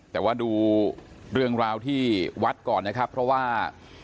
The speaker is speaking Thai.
แต่ว่าดูเรื่องราวที่วัดก่อนนะครับเพราะว่า